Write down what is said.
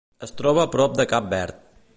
Es troba a prop de Cap Verd.